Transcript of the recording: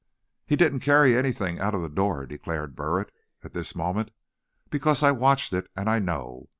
"He didn't carry anything out of the door," declared Burritt, at this moment, "because I watched it, and I know.